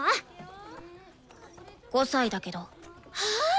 ５歳だけど。は！